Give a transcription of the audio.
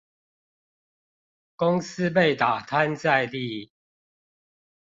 公司被打癱在地